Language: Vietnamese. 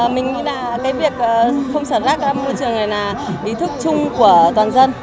mình nghĩ là cái việc không sản rác các môi trường này là ý thức chung của toàn dân